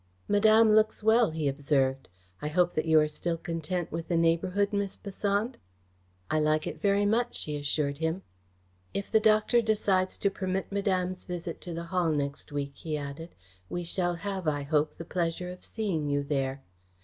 "Madame looks well," he observed. "I hope that you are still content with the neighbourhood, Miss Besant?" "I like it very much," she assured him. "If the doctor decides to permit Madame's visit to the Hall next week," he added, "we shall have, I hope, the pleasure of seeing you there."